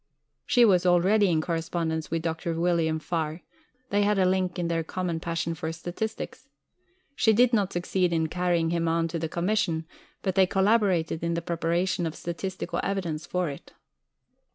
She was already in correspondence with Dr. William Farr; they had a link in their common passion for statistics. She did not succeed in carrying him on to the Commission, but they collaborated in the preparation of statistical evidence for it.